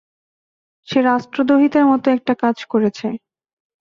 সে রাষ্ট্রদ্রোহিতার মতো একটা কাজ করেছে।